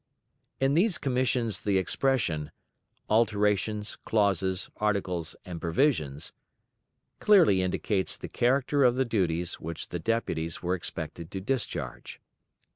In these commissions the expression, "alterations, clauses, articles, and provisions," clearly indicates the character of the duties which the deputies were expected to discharge.